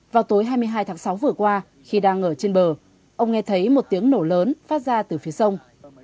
vào tối hai mươi hai tháng sáu vừa qua khi đang ở trên bờ ông nghe thấy một tiếng nổ lớn phát ra từ phía sông